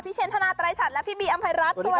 พี่เชนธนาตรายฉันและพี่บีอำเภรัดสวัสดีค่ะ